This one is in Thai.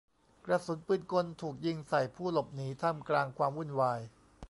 กระสุนปืนกลถูกยิงใส่ผู้หลบหนีท่ามกลางความวุ่นวาย